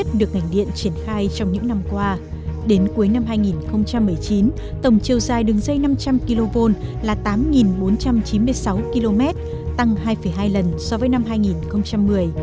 đoạn triển khai trong những năm qua đến cuối năm hai nghìn một mươi chín tổng chiều dài đường dây năm trăm linh kv là tám bốn trăm chín mươi sáu km tăng hai hai lần so với năm hai nghìn một mươi